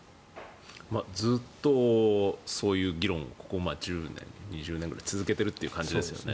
ずっとそういう議論をここ１０年、２０年ぐらい続けているという感じですよね。